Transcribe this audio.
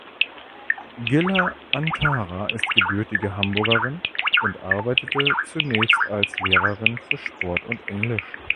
Gila Antara ist gebürtige Hamburgerin und arbeitete zunächst als Lehrerin für Sport und Englisch.